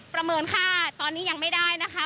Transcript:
ประเมินค่าตอนนี้ยังไม่ได้นะคะ